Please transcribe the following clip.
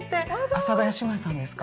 阿佐ヶ谷姉妹さんですか？